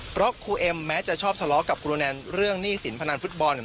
เพราะครูเอ็มแม้จะชอบทะเลาะกับครูโรแนนเรื่องหนี้สินพนันฟุตบอล